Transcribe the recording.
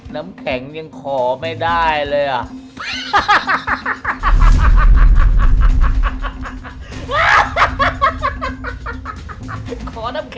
น้ำแข็งยังขอไม่ได้เลยอ่ะ